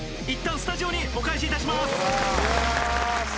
いったんスタジオにお返しいたします。